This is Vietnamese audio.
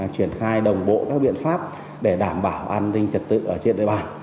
triển khai đồng bộ các biện pháp để đảm bảo an ninh trật tự ở trên địa bàn